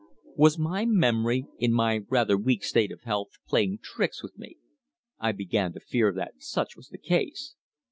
Was my memory, in my rather weak state of health, playing tricks with me? I began to fear that such was the case.